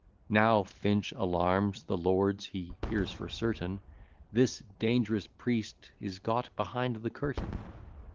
Now Finch alarms the lords: he hears for certain This dang'rous priest is got behind the curtain.